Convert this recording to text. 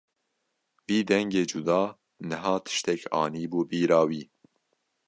Vî dengê cuda niha tiştek anîbû bîra wî.